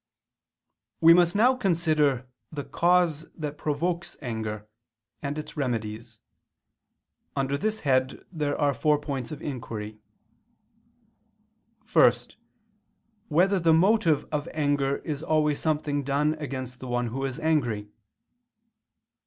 We must now consider the cause that provokes anger, and its remedies. Under this head there are four points of inquiry: (1) Whether the motive of anger is always something done against the one who is angry?